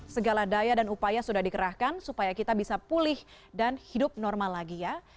segala daya dan upaya sudah dikerahkan supaya kita bisa pulih dan hidup normal lagi ya